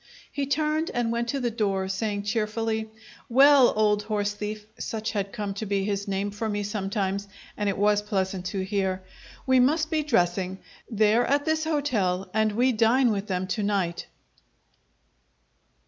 He turned and went to the door, saying, cheerfully: "Well, old horse thief" (such had come to be his name for me sometimes, and it was pleasant to hear), "we must be dressing. They're at this hotel, and we dine with them to night."